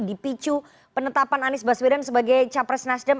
dipicu penetapan anies baswedan sebagai capres nasdem